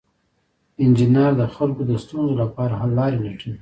انجینر د خلکو د ستونزو لپاره حل لارې لټوي.